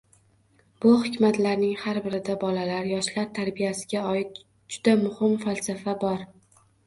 Bu hikmatlarning har birida bolalar, yoshlar tarbiyasiga oid juda muhim falsafa bor.